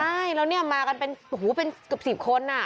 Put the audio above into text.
ใช่แล้วนี่มากันเป็นโอ้โฮเป็นกับสิบคนน่ะ